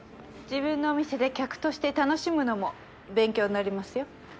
自分のお店で客として楽しむのも勉強になりますよ。